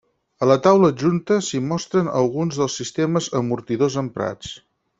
A la taula adjunta s'hi mostren alguns dels sistemes amortidors emprats.